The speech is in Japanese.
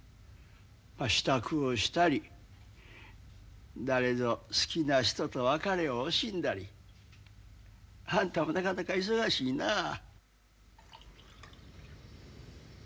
まあ支度をしたり誰ぞ好きな人と別れを惜しんだり。あんたもなかなか忙しいなあ。